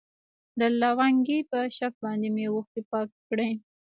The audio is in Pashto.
د لونگۍ په شف باندې مې اوښکې پاکې کړي.